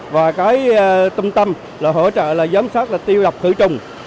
và cái tâm tâm là hỗ trợ là giám sát tiêu độc thử trùng